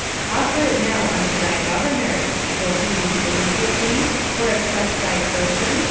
offer it now unto thy governor; will he be pleased with thee, or accept thy person?